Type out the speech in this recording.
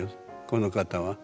この方は。